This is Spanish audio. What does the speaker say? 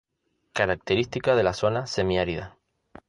Característica de la zona semiárida.